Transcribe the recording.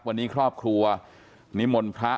วันนี้ครอบครัวนิมนต์พระ